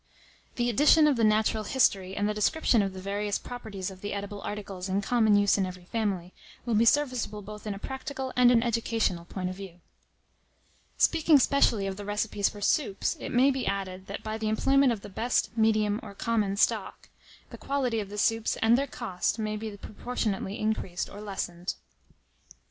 _The addition of the natural history, and the description of the various properties of the edible articles in common use in every family, will be serviceable both in a practical and an educational point of view._ Speaking specially of the Recipes for Soups, it may be added, that by the employment of the BEST, MEDIUM, or COMMON STOCK, _the quality of the Soups and their cost may be proportionately increased or lessened.